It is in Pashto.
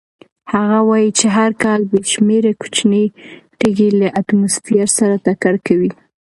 هغه وایي چې هر کال بې شمېره کوچنۍ تېږې له اتموسفیر سره ټکر کوي.